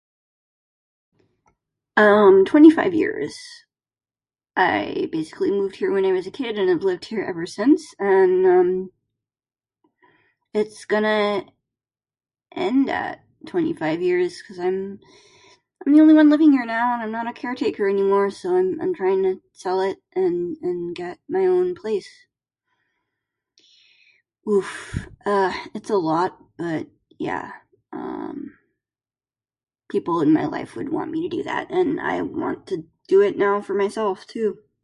Um, twenty five years. I basically moved here when I was a kid and I've lived here every since. And, um, it's gonna end at twenty five years cuz I'm I'm the only one living here now and I'm not a caretaker anymore. So I'm I'm trying to sell it and and get my own place. Oof... uh, it's a lot, but, yeah, um, people in my life would want me to do that and I want to do it now for myself, too.